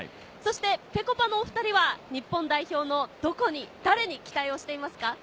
ぺこぱのお２人は日本代表のどこに誰に期待していますか？